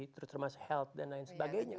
terutama health dan lain sebagainya